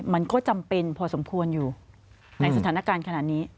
มันก็จำเป็นพอสมควรอยู่ในสถานการณ์ขนาดนี้